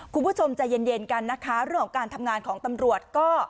คุณผู้ชมใจเย็นกันนะคะเรื่องของการทำงานของตำรวจก็